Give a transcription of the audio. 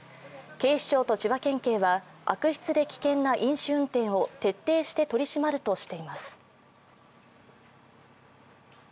警視庁と千葉県警は悪質で危険な飲酒運転を徹底して取り締まるとしています。